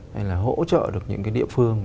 hay là hỗ trợ được những cái địa phương